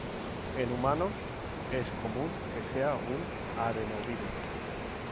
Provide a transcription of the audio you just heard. En humanos es común que sea un adenovirus.